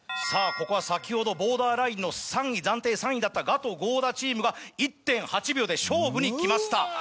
さぁここは先ほどボーダーラインの暫定３位だったガト・合田チームが１．８秒で勝負にきました。